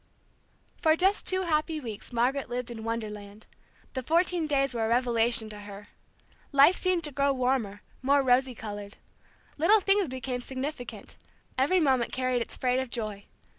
For just two happy weeks Margaret lived in Wonderland. The fourteen days were a revelation to her. Life seemed to grow warmer, more rosy colored. Little things became significant; every moment carried its freight of joy.